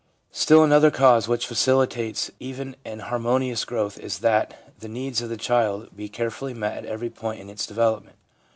Still another cause which facilitates even and har monious growth is that the needs of the child be care fully met at every point in its development.